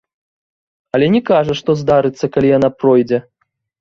Але не кажа, што здарыцца, калі яна пройдзе.